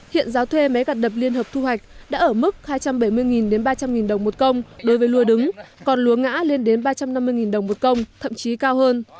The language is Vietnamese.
hiện giá thuê máy gặt đập liên hợp thu hoạch đã ở mức hai trăm bảy mươi ba trăm linh đồng một công đối với lúa đứng còn lúa ngã lên đến ba trăm năm mươi đồng một công thậm chí cao hơn